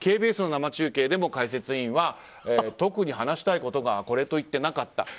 ＫＢＳの生中継でも解説員は特に話したいことがこれといってなかった。